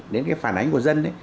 đến cái phản ánh của dân